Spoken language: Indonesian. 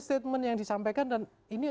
statement yang disampaikan dan ini